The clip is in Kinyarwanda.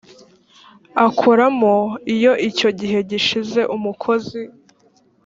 akoramo iyo icyo gihe gishize umukozi